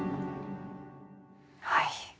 はい。